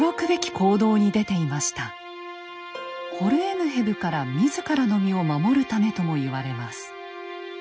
ホルエムヘブから自らの身を守るためとも言われます。